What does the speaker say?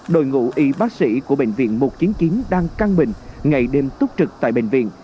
đội ngũ y bác sĩ của bệnh viện một trăm chín mươi chín đang căng mình ngày đêm túc trực tại bệnh viện